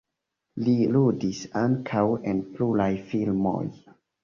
Li ludis ankaŭ en pluraj filmoj.